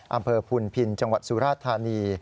อำเภอพุนพินจังหวัดสุราธานี